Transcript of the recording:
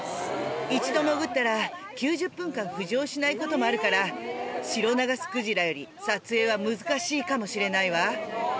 一度潜ったら９０分間浮上しないこともあるから、シロナガスクジラより撮影は難しいかもしれないわ。